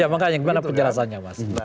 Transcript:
ya makanya gimana penjelasannya mas